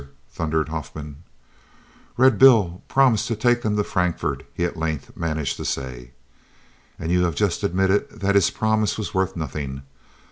thundered Huffman. "Red Bill promised to take them to Frankfort," he at length managed to say. "And you have just admitted that his promise was worth nothing.